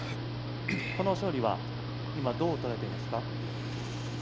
この勝利はどう捉えていますか。